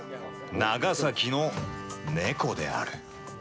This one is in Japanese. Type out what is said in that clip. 長崎の猫である。